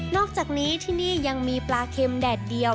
อกจากนี้ที่นี่ยังมีปลาเค็มแดดเดียว